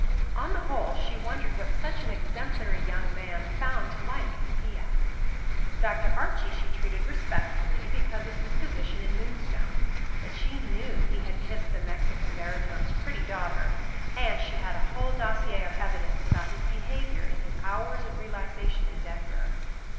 On the whole, she wondered what such an exemplary young man found to like in Thea. Dr. Archie she treated respectfully because of his position in Moonstone, but she knew he had kissed the Mexican barytone's pretty daughter, and she had a whole dossier of evidence about his behavior in his hours of relaxation in Denver.